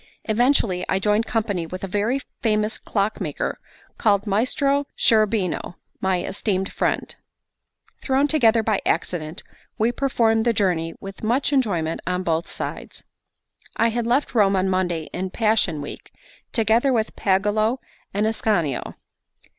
Eventually I joined company with a very famous clockmaker, called Maestro Cherubino, my esteemed friend. Thrown together by accident, we performed the journey with much enjoyment on both sides. I had left Rome on Monday in Passion Week, together with Pagolo and Ascanio.